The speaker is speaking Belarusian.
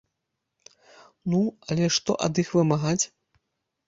Ну, але што ад іх вымагаць?